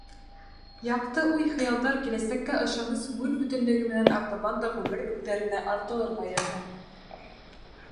Яҡты уй-хыялдар, киләсәккә ышаныс, күңел бөтөнлөгө менән артабан да ғүмер үрҙәренә артылырға яҙһын!